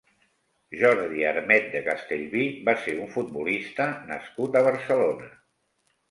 Jordi Armet de Castellví va ser un futbolista nascut a Barcelona.